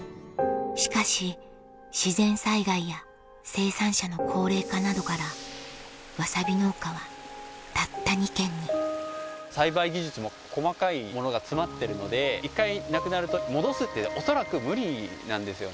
しかし自然災害や生産者の高齢化などからわさび農家はたった２軒に栽培技術も細かいものが詰まってるので１回なくなると戻すって恐らく無理なんですよね。